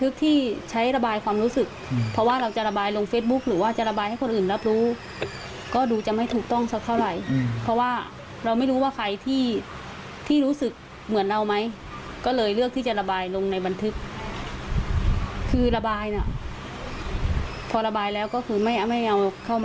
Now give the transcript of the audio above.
เข้ามาย้อนกลับเข้ามาในสมองอีก